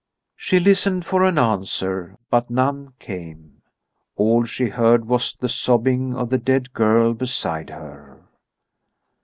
She listened for an answer, but none came. All she heard was the sobbing of the dead girl beside her.